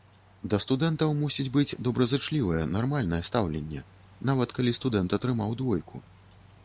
Да студэнтаў мусіць быць добразычлівае, нармальнае стаўленне, нават калі студэнт атрымаў двойку.